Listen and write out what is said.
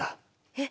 えっ？